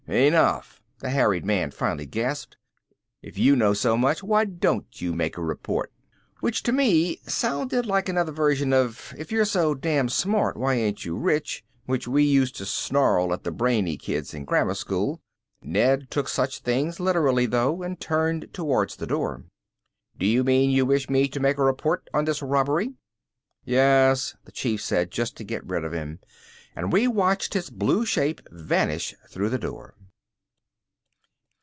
"Enough!" the harried man finally gasped. "If you know so much why don't you make a report?" Which to me sounded like another version of "if you're so damned smart why ain't you rich?" which we used to snarl at the brainy kids in grammar school. Ned took such things literally though, and turned towards the door. "Do you mean you wish me to make a report on this robbery?" "Yes," the Chief said just to get rid of him, and we watched his blue shape vanish through the door.